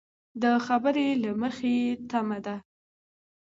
د خبر له مخې تمه ده